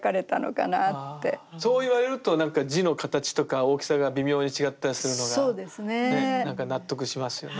そう言われるとなんか字の形とか大きさが微妙に違ったりするのがねなんか納得しますよね。